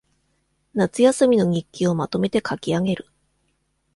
夏休みの日記をまとめて書きあげる